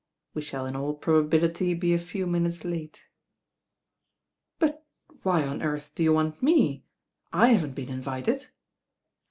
We shall in all probability be a few minutes late.'* "But why on earth do you want me? I haven't been mvited."